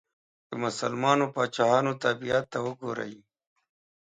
د مسلمانو پاچاهانو طبیعت ته وګورئ.